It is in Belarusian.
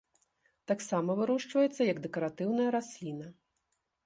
Таксама вырошчваецца як дэкаратыўная расліна.